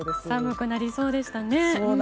寒くなりそうでしたね。